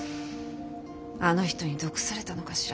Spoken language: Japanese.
あの人に毒されたのかしら。